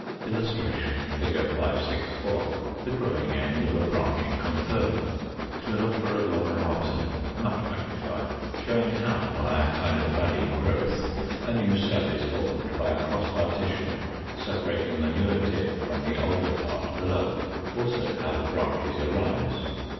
[Illustration: Fig. 564. The growing end of a branching Conferva (Cladophora glomerata), much magnified; showing how, by a kind of budding growth, a new cell is formed by a cross partition separating the newer tip from the older part below; also, how the branches arise.